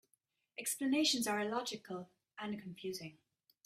Explanations are illogical and confusing.